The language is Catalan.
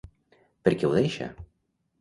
Per què ho deixa?